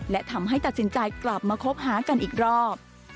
และทำให้ตัดสินใจกลับมาคบหากันอีกรอบ